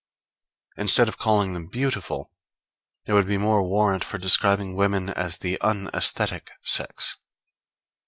Instead of calling them beautiful, there would be more warrant for describing women as the un aesthetic sex.